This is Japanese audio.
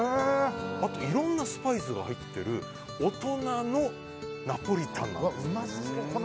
あと、いろんなスパイスが入っている大人のナポリタンなんです。